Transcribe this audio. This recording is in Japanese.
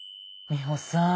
美穂さん